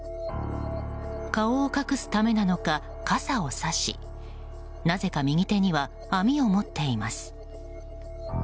顔を隠すためなのか、傘をさしなぜか右手には網を持っています。